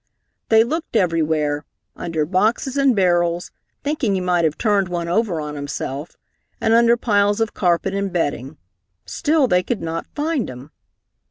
They looked everywhere, under boxes and barrels, thinking he might have turned one over on himself, and under piles of carpet and bedding. Still they could not find him.